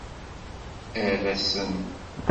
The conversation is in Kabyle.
Err-asen.